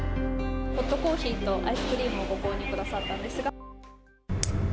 ホットコーヒーとアイスクリームをご購入くださったんですが。